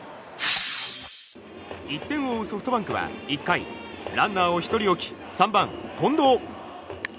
１点を追うソフトバンクは１回、ランナーを１人置き３番、近藤。